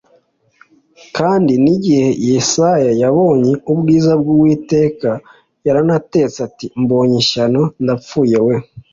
Kandi n'igihe Yesayayabonye ubwiza bw'Uwiteka yaratatse ati: "Mbonye ishyano, ndapfuye we!